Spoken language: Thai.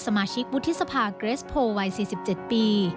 สมาชิกวุฒิสภาเกรสโพลวัย๔๗ปี